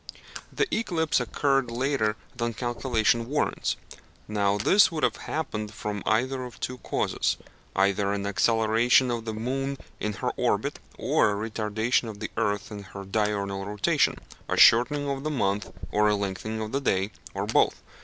The eclipse occurred later than calculation warrants. Now this would have happened from either of two causes, either an acceleration of the moon in her orbit, or a retardation of the earth in her diurnal rotation a shortening of the month or a lengthening of the day, or both.